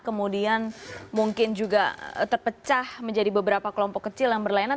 kemudian mungkin juga terpecah menjadi beberapa kelompok kecil yang berlainan